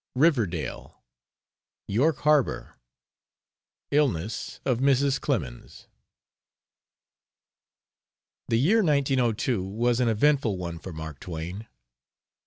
RIVERDALE. YORK HARBOR. ILLNESS OF MRS. CLEMENS The year 1902 was an eventful one for Mark Twain.